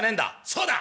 「そうだ！」。